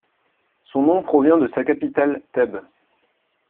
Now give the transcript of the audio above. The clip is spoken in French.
Son nom provient de sa capitale Thèbes.